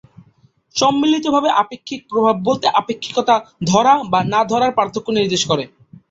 সম্মিলিতভাবে আপেক্ষিক প্রভাব বলতে আপেক্ষিকতা ধরা বা না ধরার পার্থক্য নির্দেশ করে।